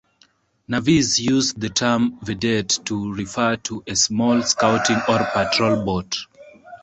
Navies use the term "vedette" to refer to a small scouting or patrol boat.